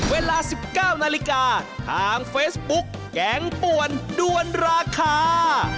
เวลา๑๙นาฬิกาทางเฟซบุ๊กแกงป่วนด้วนราคา